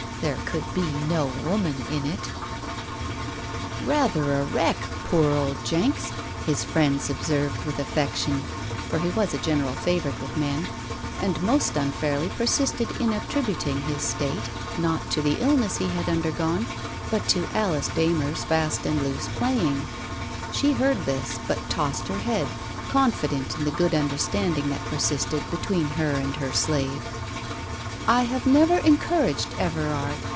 There could be no woman in it? Digitized by Google 12 TALES OF THE UNEASY " Rather a wreck — poor old Jenks !" his friends observed with affection, for he was a general favourite with men, and most unfairly persisted in attributing his state, not to the illness he had undergone, but to Alice Darner's fast and loose playing. She heard this, but tossed her head, confident in the good understanding that subsisted between her and her slave. "I have never encouraged Everard.